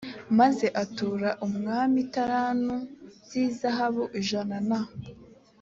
maze atura umwami italanto z izahabu ijana na